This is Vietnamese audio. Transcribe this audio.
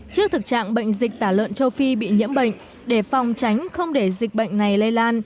trước thực trạng bệnh dịch tả lợn châu phi bị nhiễm bệnh để phòng tránh không để dịch bệnh này lây lan